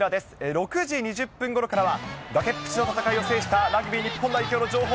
６時２０分ごろからは、崖っぷちの戦いを制したラグビー日本代表の情報。